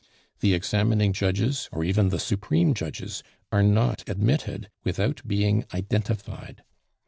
The examining judges, or even the supreme judges, are not admitted without being identified.